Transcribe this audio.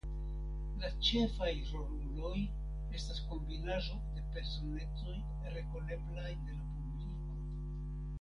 La ĉefaj roluloj estas kombinaĵo de personecoj rekoneblaj de la publiko.